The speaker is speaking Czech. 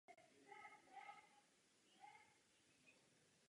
Tyto výsady byly velkým přínosem pro hospodářský rozvoj městečka a pro obecní pokladnu.